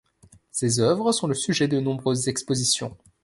Ses œuvres sont le sujet de nombreuses expositions.